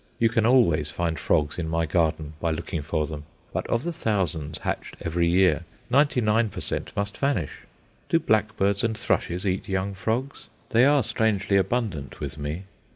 You can always find frogs in my garden by looking for them, but of the thousands hatched every year, ninety nine per cent. must vanish. Do blackbirds and thrushes eat young frogs? They are strangely abundant with me.